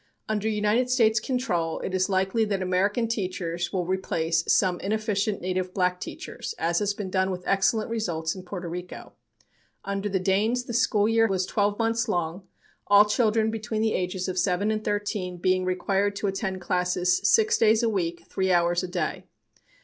Under United States control it is likely that American teachers will replace some inefficient native black teachers, as has been done with excellent results in Porto Rico. Under the Danes, the school year was twelve months long, all children between the ages of seven and thirteen being required to attend classes six days a week, three hours a day.